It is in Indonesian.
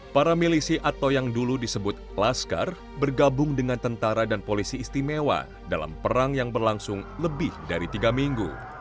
para milisi atau yang dulu disebut laskar bergabung dengan tentara dan polisi istimewa dalam perang yang berlangsung lebih dari tiga minggu